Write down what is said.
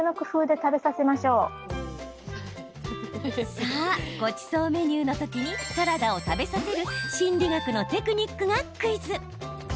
さあ、ごちそうメニューの時にサラダを食べさせる心理学のテクニックがクイズ。